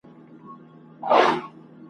را جلا له خپلي مېني را پردېس له خپلي ځالي `